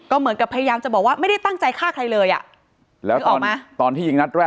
ก็เหมือนกับพยายามจะบอกว่าไม่ได้ตั้งใจฆ่าใครเลยอ่ะ